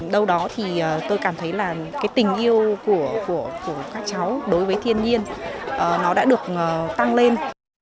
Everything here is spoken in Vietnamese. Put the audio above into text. đâu đó thì tôi cảm thấy là cái tình yêu của các cháu đối với thiên nhiên nó đã được tăng lên